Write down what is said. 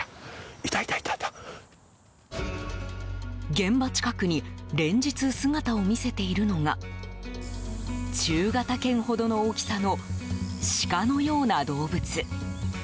現場近くに連日、姿を見せているのが中型犬ほどの大きさのシカのような動物。